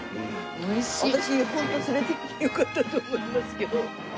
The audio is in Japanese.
私ホント連れてきてよかったと思いますけど。